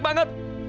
aku sangat jelek